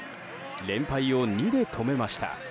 連敗を２で止めました。